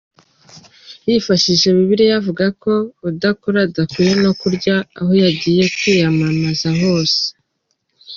Yifashishije Bibiliya, avuga ko udakora adakwiye no kurya aho yagiye kwiyamamaza hose.